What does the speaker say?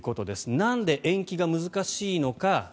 なんで延期が難しいのか。